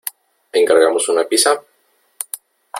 ¿Encargamos una pizza?